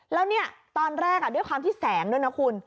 แล้วเนี่ยตอนแรกด้วยความที่แสงด้วยนะคุณ